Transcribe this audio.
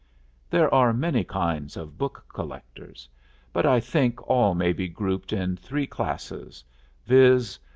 There are very many kinds of book collectors, but I think all may be grouped in three classes, viz.